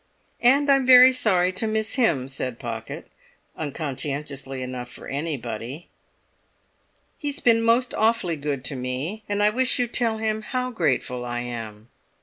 "And I'm very sorry to miss him," said Pocket, unconscientiously enough for anybody. "He's been most awfully good to me, and I wish you'd tell him how grateful I am."